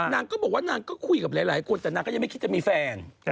นางก็บอกว่านางก็คุยกับหลายคนแต่นางก็ยังไม่คิดจะมีแฟน